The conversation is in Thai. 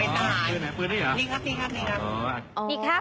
นี่ครับนี่ครับ